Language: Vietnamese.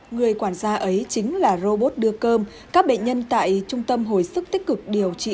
người quản gia ấy chính là robot đưa cơm các bệnh nhân tại trung tâm hồi sức tích cực điều trị